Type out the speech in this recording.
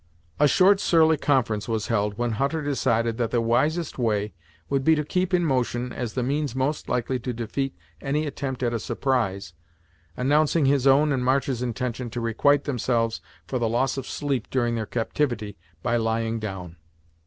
A short surly conference was held, when Hutter decided that the wisest way would be to keep in motion as the means most likely to defeat any attempt at a surprise announcing his own and March's intention to requite themselves for the loss of sleep during their captivity, by lying down.